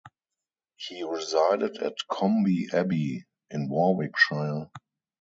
He resided at Coombe Abbey in Warwickshire.